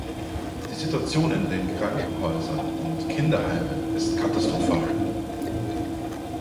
Die Situation in den Krankenhäusern und Kinderheimen ist katastrophal.